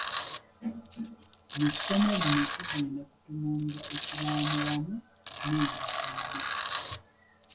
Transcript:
Mu ssomo lino tugenda kutunuulira ekiraamo wamu n'endagaano.